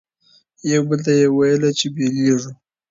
یوه بل ته یې ویله چي بیلیږو